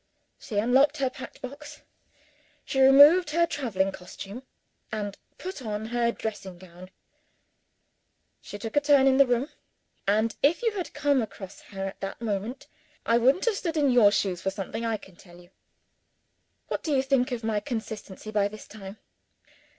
She unlocked her packed box; she removed her traveling costume, and put on her dressing gown; she took a turn in the room and, if you had come across her at that moment, I wouldn't have stood in your shoes for something, I can tell you! (What do you think of my consistency by this time?